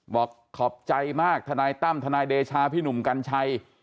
บอกขอบใจมากทนายตั้มทนายเดชาพี่หนุ่มกัญชัย